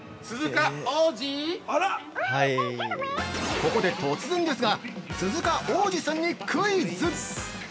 ◆ここで突然ですが、鈴鹿央士さんにクイズ！